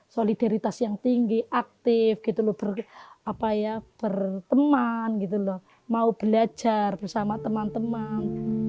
solidaritas yang tinggi aktif berteman mau belajar bersama teman teman